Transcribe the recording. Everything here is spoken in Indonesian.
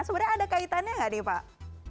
sebenarnya ada kaitannya nggak nih pak